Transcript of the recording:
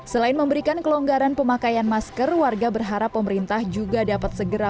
selain memberikan kelonggaran pemakaian masker warga berharap pemerintah juga dapat segera